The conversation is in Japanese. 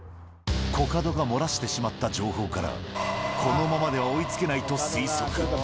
コカドが漏らしてしまった情報から、このままでは追いつけないと推測。